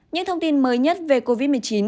những thông tin mới nhất về covid một mươi chín